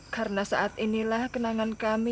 karena saat inilah kenangan kami